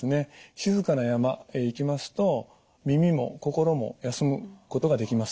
静かな山へ行きますと耳も心も休むことができます。